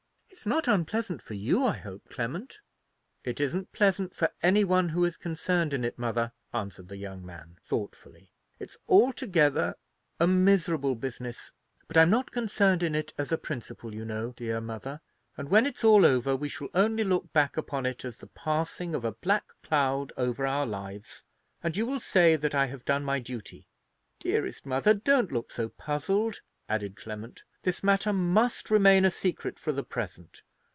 "It's not unpleasant for you, I hope, Clement?" "It isn't pleasant for any one who is concerned in it, mother," answered the young man, thoughtfully; "it's altogether a miserable business; but I'm not concerned in it as a principal, you know, dear mother; and when it's all over we shall only look back upon it as the passing of a black cloud over our lives, and you will say that I have done my duty. Dearest mother, don't look so puzzled," added Clement; "this matter must remain a secret for the present.